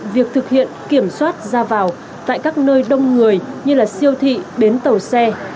việc thực hiện kiểm soát ra vào tại các nơi đông người như siêu thị bến tàu xe